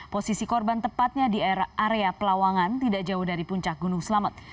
posisi korban tepatnya di area pelawangan tidak jauh dari puncak gunung selamet